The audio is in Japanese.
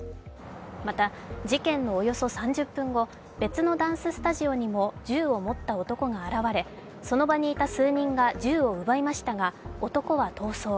また事件のおよそ３０分後別のダンススタジオにも銃を持った男が現れその場にいた数人が銃を奪いましたが男は逃走。